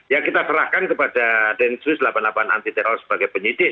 ya kita serahkan kepada densus delapan puluh delapan anti teror sebagai penyidik